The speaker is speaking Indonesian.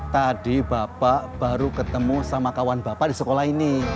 tadi bapak baru ketemu sama kawan bapak di sekolah ini